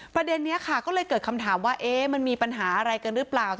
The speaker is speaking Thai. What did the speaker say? ประเด็นนี้ค่ะก็เลยเกิดคำถามว่ามันมีปัญหาอะไรกันหรือเปล่า